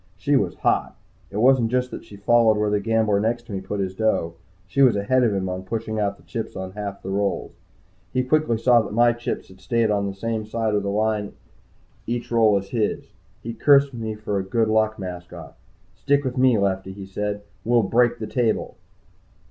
She was hot. It wasn't just that she followed where the gambler next to me put his dough she was ahead of him on pushing out the chips on half the rolls. He quickly saw that my chips had stayed on the same side of the line each roll as his. He cursed me for a good luck mascot. "Stick with me, Lefty," he said. "We'll break the table!"